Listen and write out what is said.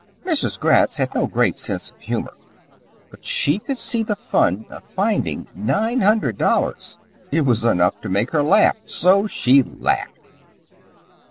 Mrs. Gratz had no great sense of humour, but she could see the fun of finding nine hundred dollars. It was enough to make her laugh, so she laughed.